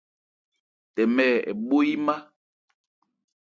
Tɛmɛ̂ ɛ bhó yímá.